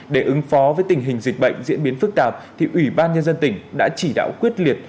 để ứng phó với tình hình dịch bệnh diễn biến phức tạp thì ủy ban nhân dân tỉnh đã chỉ đạo quyết liệt